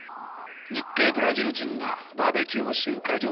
「日系ブラジル人がバーベキューを集会所でやっている。